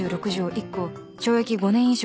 １項懲役５年以上